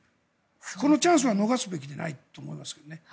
このチャンスは逃すべきではないと思いますけどね。